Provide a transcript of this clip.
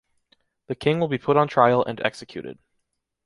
The king will be put on trial and executed.